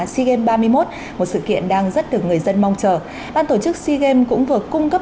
sea games ba mươi một một sự kiện đang rất được người dân mong chờ ban tổ chức sea games cũng vừa cung cấp